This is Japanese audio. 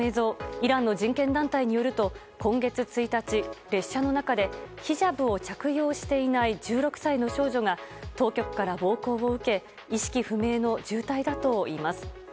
イランの人権団体によると今月１日、列車の中でヒジャブを着用していない１６歳の少女が当局から暴行を受け意識不明の重体だといいます。